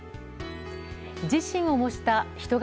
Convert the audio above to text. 自身を模した人型